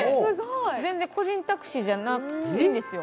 全然個人タクシーじゃないんですよ。